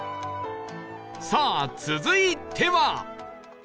さあ続いては